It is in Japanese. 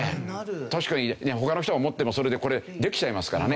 確かにね他の人が持ってもそれでこれできちゃいますからね。